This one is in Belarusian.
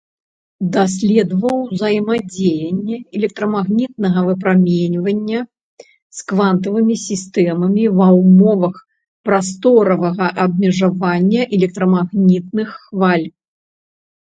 Даследаваў узаемадзеянне электрамагнітнага выпраменьвання з квантавымі сістэмамі ва ўмовах прасторавага абмежавання электрамагнітных хваль.